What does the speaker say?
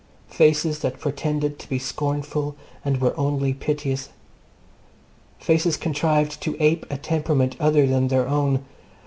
Faces that pretended to be scornful and were only piteous. Faces contrived to ape a temperament other than their own.